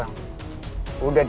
lepas su diam